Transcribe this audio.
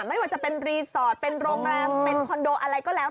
ไม่ว่าจะเป็นรีสอร์ทเป็นโรงแรมเป็นคอนโดอะไรก็แล้ว